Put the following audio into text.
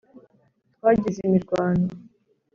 twagize imirwano,